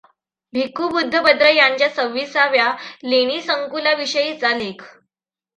भिख्खू बुद्धभद्र यांच्या सव्वीसाव्या लेणीसंकुलाविषयीचा लेख.